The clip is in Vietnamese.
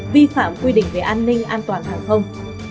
vi phạm quy định về an ninh an toàn hàng không